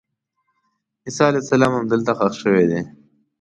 عیسی علیه السلام همدلته ښخ شوی دی.